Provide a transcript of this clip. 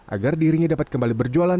agar dirinya dapat kembali berjualan